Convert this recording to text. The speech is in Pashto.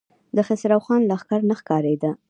د خسرو خان لښکر نه ښکارېده.